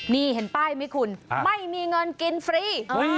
นี่เห็นป้ายไหมคุณไม่มีเงินกินฟรี